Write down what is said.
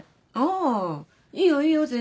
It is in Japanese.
あいいよいいよ全然。